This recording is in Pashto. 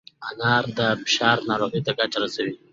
انار د فشار ناروغۍ ته ګټه رسوي.